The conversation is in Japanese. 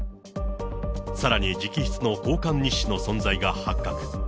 さらに直筆の交換日誌の存在が発覚。